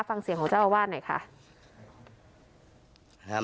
ฟังเสียงของเจ้าอาวาสหน่อยค่ะ